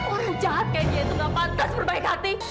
orang jahat kayak dia itu nggak pantas berbaik hati